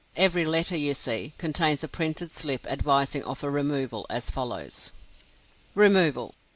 Every letter you see, contains a printed slip advising of a removal, as follows: "REMOVAL.